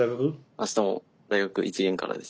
あしたも大学１限からです。